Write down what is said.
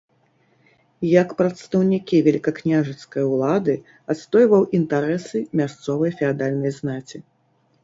Як прадстаўнікі велікакняжацкай улады адстойваў інтарэсы мясцовай феадальнай знаці.